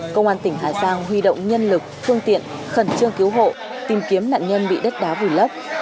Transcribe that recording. công an tỉnh hà giang huy động nhân lực phương tiện khẩn trương cứu hộ tìm kiếm nạn nhân bị đất đá vùi lấp